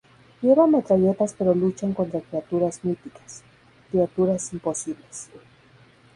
Llevan metralletas pero luchan contra criaturas míticas, criaturas imposibles.